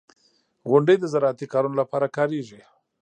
• غونډۍ د زراعتي کارونو لپاره کارېږي.